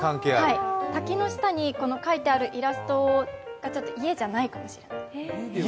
滝の下に描いてあるイラストが、家じゃないかもしれない。